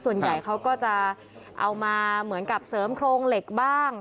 ส่วนใหญ่เขาก็จะเอามาเหมือนกับเสริมโครงเหล็กบ้าง